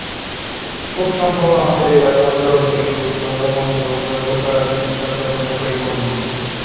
খুব সম্ভব আমাদের এই বায়ুমণ্ডল এইরূপ ভাল-মন্দ উভয় প্রকার চিন্তাতরঙ্গে পরিপূর্ণ।